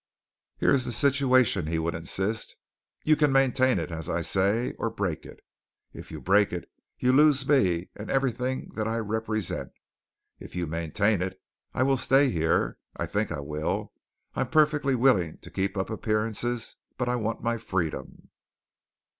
"Here is the situation," he would insist. "You can maintain it as I say, or break it. If you break it, you lose me and everything that I represent. If you maintain it, I will stay here. I think I will. I am perfectly willing to keep up appearances, but I want my freedom."